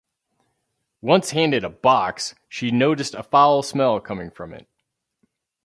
Once handed a box, she noticed a foul smell coming from it.